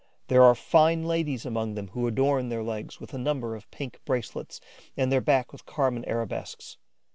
There are fine ladies among them who adorn their legs with a number of pink bracelets and their back with carmine arabesques.